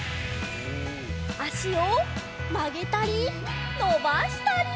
あしをまげたりのばしたり！